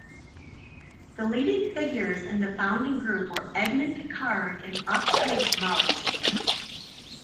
The leading figures in the founding group were Edmond Picard and Octave Maus.